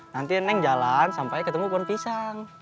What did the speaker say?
nanti neng jalan sampai ketemu pohon pisang